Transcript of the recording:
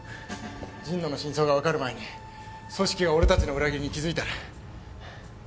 神野の真相が分かる前に組織が俺たちの裏切りに気付いたら。